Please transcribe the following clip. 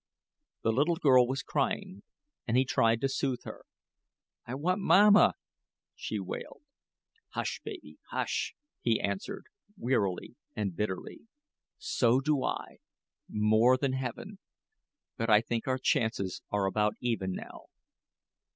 The little girl was crying and he tried to soothe her. "I want mamma," she wailed. "Hush, baby, hush," he answered, wearily and bitterly; "so do I more than Heaven, but I think our chances are about even now.